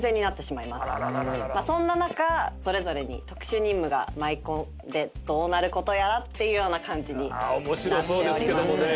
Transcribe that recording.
そんな中それぞれに特殊任務が舞い込んでどうなることやらっていうような感じになっております。